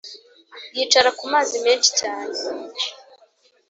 yicara ku mazi menshi cyane